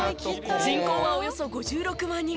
人口はおよそ５６万人。